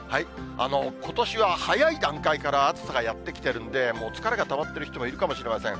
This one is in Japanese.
ことしは早い段階から、暑さがやって来ているんで、もう疲れがたまってる人もいるかもしれません。